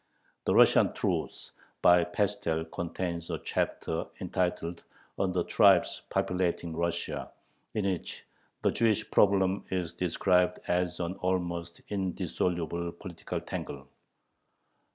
The "Russian Truth" by Pestel contains a chapter entitled "On the Tribes Populating Russia," in which the Jewish problem is described as an almost indissoluble political tangle.